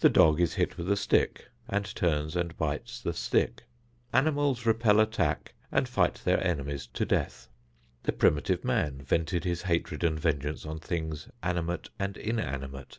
The dog is hit with a stick and turns and bites the stick. Animals repel attack and fight their enemies to death. The primitive man vented his hatred and vengeance on things animate and inanimate.